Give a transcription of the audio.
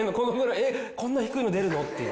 えっこんな低いの出るの？っていう。